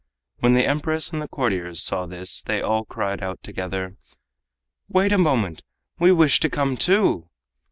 When the Empress and the courtiers saw this they all cried out together: "Wait a moment! We wish to come too."